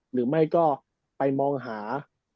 หรือไม่ก็ไปมองหา